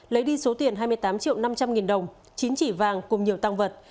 lấy đi số tiền hai mươi tám triệu năm trăm linh nghìn đồng chín chỉ vàng cùng nhiều tăng vật